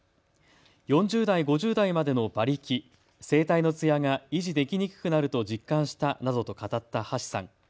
４０代５０代までの馬力、声帯のつやが維持できにくくなると実感したなどと語った橋さん。